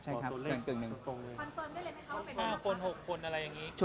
๕๖คนอะไรอย่างนี้